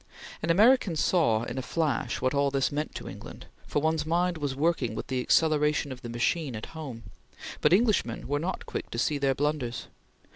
An American saw in a flash what all this meant to England, for one's mind was working with the acceleration of the machine at home; but Englishmen were not quick to see their blunders.